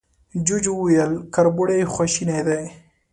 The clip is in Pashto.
جوجو وويل، کربوړی خواشينی دی.